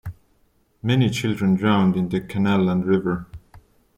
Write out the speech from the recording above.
Many children drowned in the canal and river.